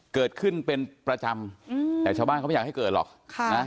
เกิดขึ้นเป็นประจำอืมแต่ชาวบ้านเขาไม่อยากให้เกิดหรอกค่ะนะ